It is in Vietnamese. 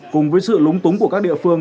cùng với sự lúng túng của các địa phương